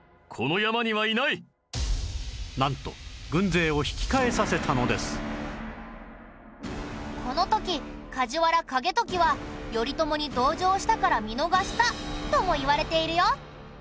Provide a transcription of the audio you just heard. なんとこの時梶原景時は頼朝に同情したから見逃したともいわれているよ。